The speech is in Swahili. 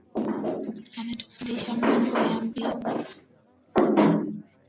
Ametufundisha mambo ya mbingu